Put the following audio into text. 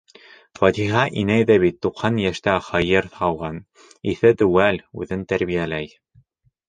Фатиха инәй ҙә бит туҡһан йәштә һыйыр һауған, иҫе теүәл, үҙен тәрбиәләй.